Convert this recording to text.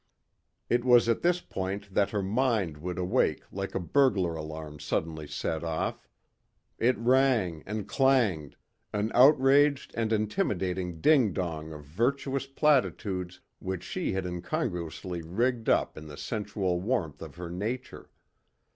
It was at this point that her mind would awake like a burglar alarm suddenly set off. It rang and clanged an outraged and intimidating ding dong of virtuous platitudes which she had incongruously rigged up in the sensual warmth of her nature.